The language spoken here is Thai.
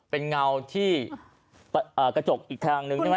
เป็นเงาที่กระจกอีกทางนึงใช่ไหม